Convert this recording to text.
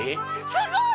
すごい！